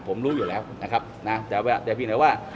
ผมรู้อยู่แล้วนะครับแต่พี่หน่อยว่า